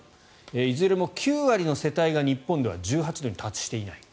いずれも９割の世帯が日本では１８度に達していない。